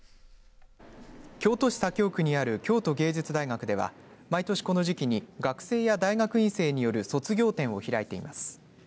京都市左京区にある京都芸術大学では毎年この時期に学生や大学院生による卒業展を開いています。